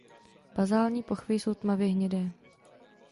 Bazální pochvy jsou tmavě hnědé.